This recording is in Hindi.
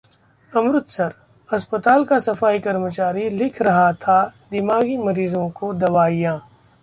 अमृतसर: अस्पताल का सफाई कर्मचारी लिख रहा था दिमागी मरीजों को दवाइयां!